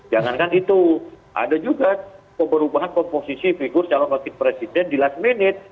jangankan itu ada juga perubahan komposisi figur calon wakil presiden di last minute